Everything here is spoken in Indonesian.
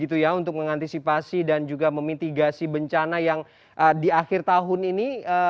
untuk mengantisipasi dan juga memitigasi bencana yang di akhir tahun ini